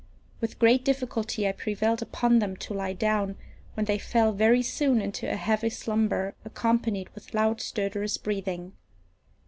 With great difficulty I prevailed upon them to lie down, when they fell very soon into a heavy slumber, accompanied with loud stertorous breathing.